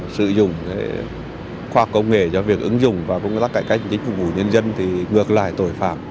sử dụng khoa công nghệ cho việc ứng dụng và cũng là cải cách chính phủ nhân dân thì ngược lại tội phạm